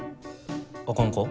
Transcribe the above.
あかんか？